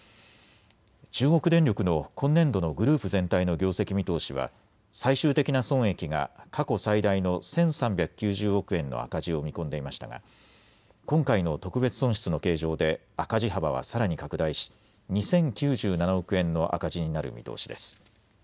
中国電力の今年度のグループ全体の業績見通しは最終的な損益が過去最大の１３９０億円の赤字を見込んでいましたが今回の特別損失の計上で赤字幅はさらに拡大し２０９７億円の赤字になる見通しです。